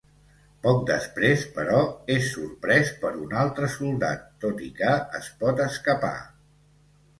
Poc després, però, és sorprès per un altre soldat tot i que es pot escapar.